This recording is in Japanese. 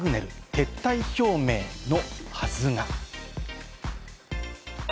撤退表明のはずが。